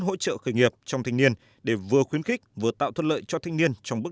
hỗ trợ khởi nghiệp trong thanh niên để vừa khuyến khích vừa tạo thuận lợi cho thanh niên trong bước